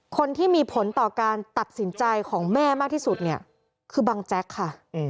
คนที่มีผลต่อการตัดสินใจของแม่มากที่สุดเนี่ยคือบังแจ๊กค่ะ